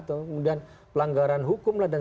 kemudian pelanggaran hukum lah dan